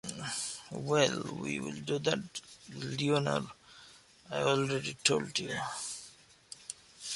Well, we will do that. Leonor, I already told you.